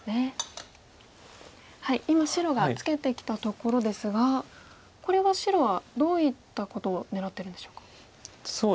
今白がツケてきたところですがこれは白はどういったことを狙ってるんでしょうか。